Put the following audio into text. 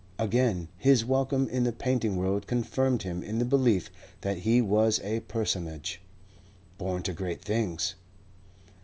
Again, his welcome in the painting world confirmed him in the belief that he was a personage, born to great things.